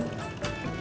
bubur kacang hijau